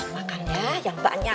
makan ya yang banyak